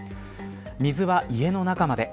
水は家の中まで。